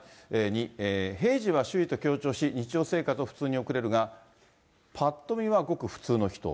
平時は周囲と協調し、日常生活を普通に送れるが、ぱっと見はごく普通の人。